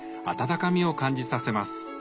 温かみを感じさせます。